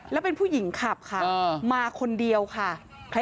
แล้วเป็นผู้หญิงขับค่ะมาคนเดียวค่ะ